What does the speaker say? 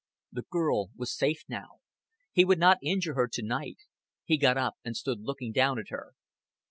The girl was safe now. He would not injure her to night. He got up, and stood looking down at her.